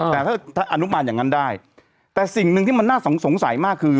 แต่ถ้าอนุมานอย่างนั้นได้แต่สิ่งหนึ่งที่มันน่าสงสัยมากคือ